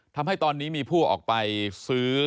ทำให้ตอนนี้มีผู้ออกไปซื้อ